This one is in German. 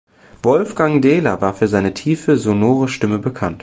Wolfgang Dehler war für seine tiefe, sonore Stimme bekannt.